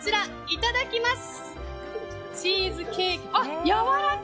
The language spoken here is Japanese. いただきます！